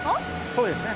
そうですね。